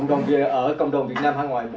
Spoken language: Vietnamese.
ở cộng đồng việt nam hãng ngoài